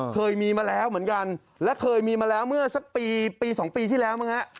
เคยมีมาแล้วเหมือนกันและเคยมีมาแล้วเมื่อสักปีปี๒ปีที่แล้วมั้งฮะ